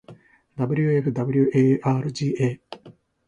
wfwarga